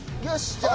じゃあ。